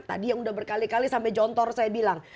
tadi yang udah berkali kali sampai jontor saya bilang